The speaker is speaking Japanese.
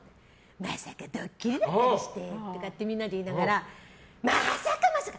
まさかドッキリだったりしてなんてみんなで言いながらまさか、まさか！